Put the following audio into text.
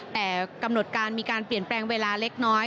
แต่กำหนดการมีการเปลี่ยนแปลงเวลาเล็กน้อย